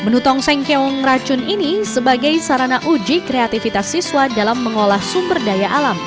menutong sengkeong racun ini sebagai sarana uji kreativitas siswa dalam mengolah sumber daya alam